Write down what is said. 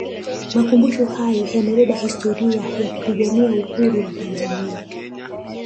makumbusho hayo yamebeba historia ya kupigania Uhuru wa tanzania